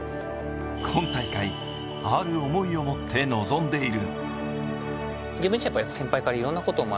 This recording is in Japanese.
今大会、ある思いを持って臨んでいる。